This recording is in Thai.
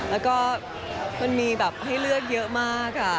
แล้วก็มันมีแบบให้เลือกเยอะมาก